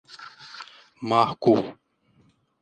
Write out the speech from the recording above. Marco